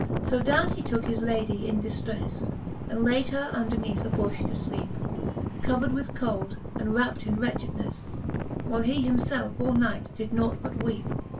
So downe he tooke his Lady in diftrefle, And layd her underneath a bufh to fleepe, G)ver'd with cold, and wrapt in wretchednefle, Whiles he him felfe all night did nought but weepe.